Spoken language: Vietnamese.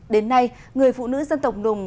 đến nay người phụ nữ dân tộc nùng